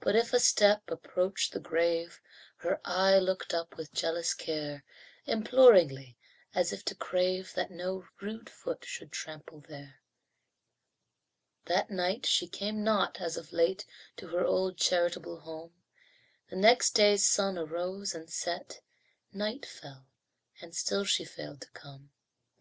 But if a step approached the grave Her eye looked up with jealous care, Imploringly, as if to crave That no rude foot should trample there. That night she came not, as of late, To her old, charitable home; The next day's sun arose and set, Night fell and still she failed to come.